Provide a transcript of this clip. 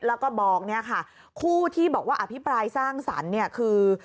แล้วก็บอกเนี่ยค่ะคู่ที่บอกว่าอภิปรายสร้างสรรค์เนี่ยคือ